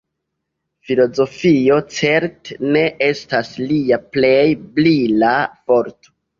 Filozofio certe ne estas lia plej brila forto.